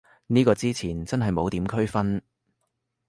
呢個之前真係冇點區分